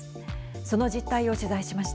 その実態を取材しました。